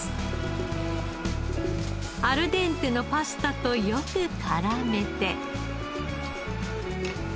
アルデンテのパスタとよく絡めて。